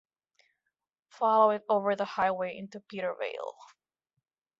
Follow it over the highway into Petervale.